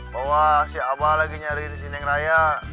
bahwa si abah lagi nyari si neng raya